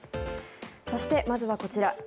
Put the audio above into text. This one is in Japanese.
そして、まずはこちら。